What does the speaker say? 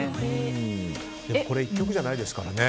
これ１曲じゃないですからね。